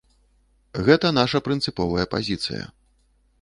Гэта наша прынцыповая пазіцыя.